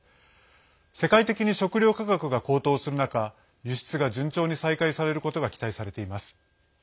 世界的に食料価格が高騰する中輸出が順調に再開されることが期待されています。